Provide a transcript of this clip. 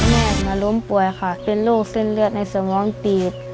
แม่มาล้มป่วยค่ะเป็นโรคเส้นเลือดในสมองตีบ